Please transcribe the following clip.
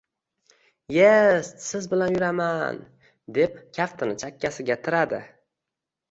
— Yest, siz bilan yuraman! — deb kaftini chakkasiga tiradi.